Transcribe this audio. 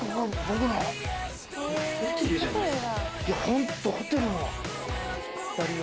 ホントホテルの。